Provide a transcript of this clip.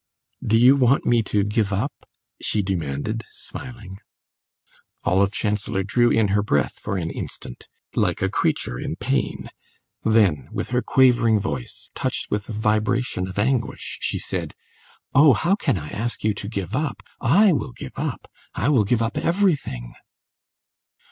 "Do you want me to give up ?" she demanded, smiling. Olive Chancellor drew in her breath for an instant, like a creature in pain; then, with her quavering voice, touched with a vibration of anguish, she said; "Oh, how can I ask you to give up? I will give up I will give up everything!"